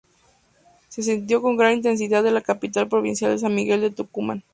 Se sintió con gran intensidad en la capital provincial San Miguel de Tucumán.